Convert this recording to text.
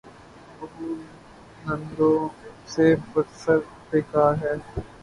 بہو نندوں سے برسر پیکار ہے۔